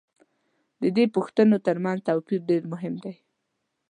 د دې پوښتنو تر منځ توپیر دېر مهم دی.